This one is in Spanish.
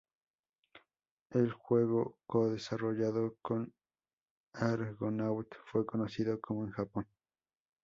El juego, co-desarrollado con Argonaut, fue conocido como en Japón.